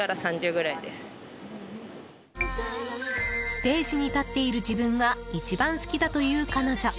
ステージに立っている自分が一番好きだという彼女。